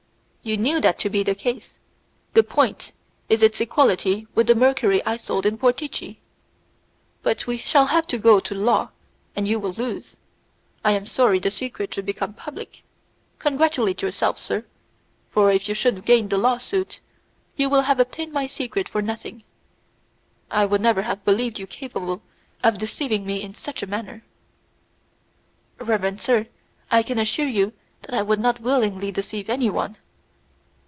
"You knew that to be the case; the point is its equality with the mercury I sold in Portici. But we shall have to go to law, and you will lose. I am sorry the secret should become public. Congratulate yourself, sir, for, if you should gain the lawsuit, you will have obtained my secret for nothing. I would never have believed you capable of deceiving me in such a manner." "Reverend sir, I can assure you that I would not willingly deceive any one."